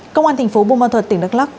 công an thành phố bù ma thuật tỉnh đắk lắc